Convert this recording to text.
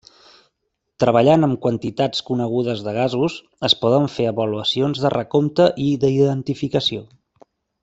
Treballant amb quantitats conegudes de gasos es poden fer avaluacions de recompte i d'identificació.